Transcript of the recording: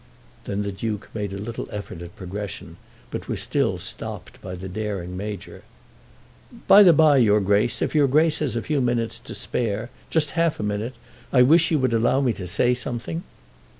Then the Duke made a little effort at progression, but was still stopped by the daring Major. "By the by, your Grace, if your Grace has a few minutes to spare, just half a minute, I wish you would allow me to say something."